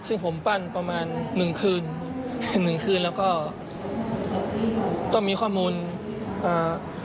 ซึ่งผมปั้นประมาณหนึ่งคืนหนึ่งคืนแล้วก็ต้องมีข้อมูลอ่า